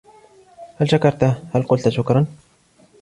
هل شكرتهُ, هل قلت شكراً لك؟